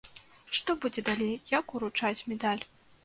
Што будзе далей, як уручаць медаль?